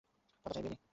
তা তো চাইবেনই।